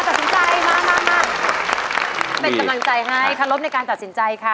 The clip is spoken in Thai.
เป็นกำลังใจให้ขอรบในการตัดสินใจค่ะ